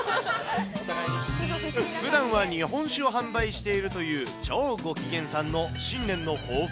ふだんは日本酒を販売しているという超ご機嫌さんの新年の抱